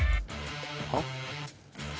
はっ？